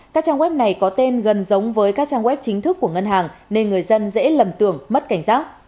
các trang web này có tên gần giống với các trang web chính thức của ngân hàng nên người dân dễ lầm tưởng mất cảnh giác